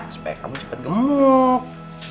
supaya kamu cepat gemuk